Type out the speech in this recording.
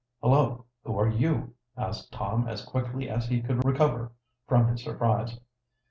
"Hullo, who are you?" asked Tom, as quickly as he could recover from his surprise.